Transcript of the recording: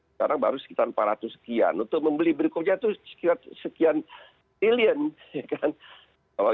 sekarang baru sekitar empat ratus sekian untuk membeli berikutnya itu sekian triliun